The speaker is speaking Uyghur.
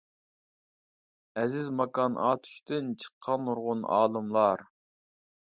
ئەزىز ماكان ئاتۇشتىن، چىققان نۇرغۇن ئالىملار.